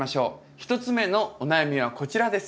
１つ目のお悩みはこちらです。